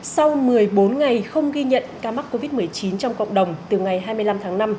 sau một mươi bốn ngày không ghi nhận ca mắc covid một mươi chín trong cộng đồng từ ngày hai mươi năm tháng năm